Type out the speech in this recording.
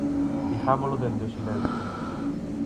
Digámolo dende o silencio.